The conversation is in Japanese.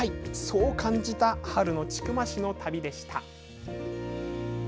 そう感じた春の千曲市の旅でした。